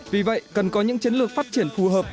vì vậy cần có những chiến lược phát triển phù hợp